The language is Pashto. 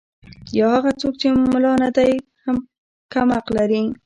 یا هغه څوک چې ملا نه دی کم حق لري.